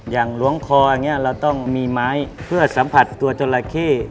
หลวงคออย่างนี้เราต้องมีไม้เพื่อสัมผัสตัวจราเข้